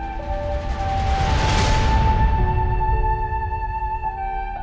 cara tersebut untuk membiaskan